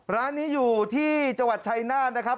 ร้านนี้อยู่ที่จังหวัดชายนาฏนะครับ